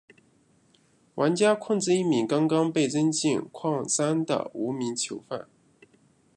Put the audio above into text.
玩家控制一名刚刚被扔进矿山的无名囚犯。